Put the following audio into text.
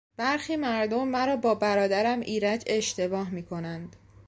برخی مردم مرا با برادرم ایرج اشتباه می کنند.